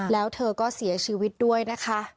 แล้วเธอก็เสียชีวิตด้วยนะคะ